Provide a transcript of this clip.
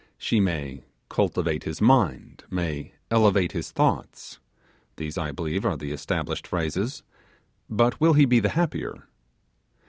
She may 'cultivate his mind may elevate his thoughts,' these I believe are the established phrases but will he be the happier?